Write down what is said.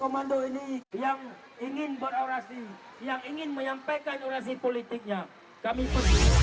menyampaikan orasi politiknya